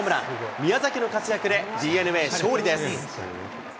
宮崎の活躍でＤｅＮＡ、勝利です。